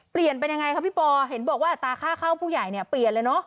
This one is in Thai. เปลี่ยนเป็นยังไงครับพี่ปอเห็นบอกว่าอัตราค่าเข้าผู้ใหญ่เนี่ยเปลี่ยนเลยเนอะ